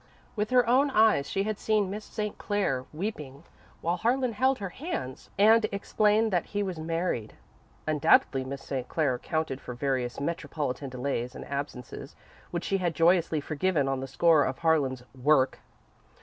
With her own eyes she had seen Miss St. Clair weeping, while Harlan held her hands and explained that he was married. Undoubtedly Miss St. Clair accounted for various metropolitan delays and absences which she had joyously forgiven on the score of Harlan's "work."